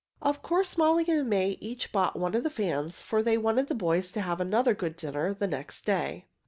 Of course Molly and May each bought one of the fans, for they wanted the boys to have another good dinner the next day.